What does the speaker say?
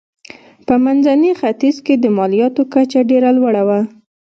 په منځني ختیځ کې د مالیاتو کچه ډېره لوړه وه.